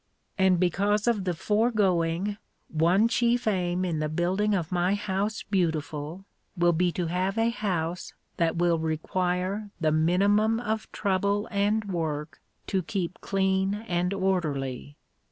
And because of the foregoing, one chief aim in the building of my house beautiful will be to have a house that will require the minimum of trouble and work to keep clean and orderly.